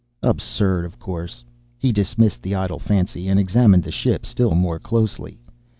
Absurd, of course: he dismissed the idle fancy and examined the ship still more closely.